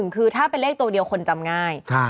คือถ้าเป็นเลขตัวเดียวคนจำง่าย